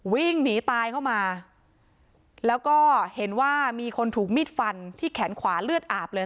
วิ่งหนีตายเข้ามาแล้วก็เห็นว่ามีคนถูกมีดฟันที่แขนขวาเลือดอาบเลย